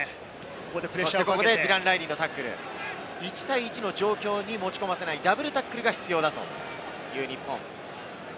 ここでプレッシャーを、１対１の状況に持ち込ませないダブルタックルが必要だという日本。